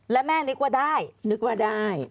แล้วแม่นึกว่าได้